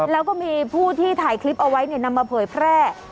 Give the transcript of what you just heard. แล้วก็มีผู้ที่ถ่ายคลิปเอาไว้นำมาเผยแพร่